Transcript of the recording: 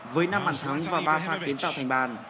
với năm bản thắng và ba phạt kiến tạo thành bàn